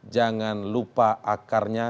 jangan lupa akarnya